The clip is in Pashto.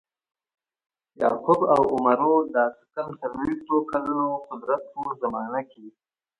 یعقوب او عمرو د څه کم څلویښت کلونو قدرت په زمانه کې.